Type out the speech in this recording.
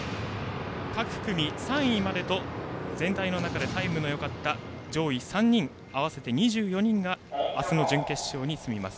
各組３位までと全体の中でタイムのよかった上位３人、合わせて２４人が明日の準決勝に進みます。